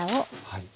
はい。